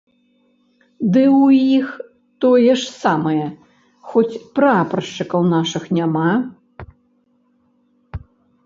Ды ў іх тое ж самае, хоць прапаршчыкаў нашых няма.